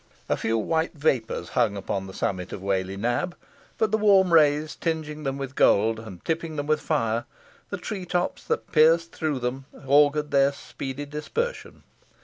A few white vapours hung upon the summit of Whalley Nab, but the warm rays tinging them with gold, and tipping with fire the tree tops that pierced through them, augured their speedy dispersion.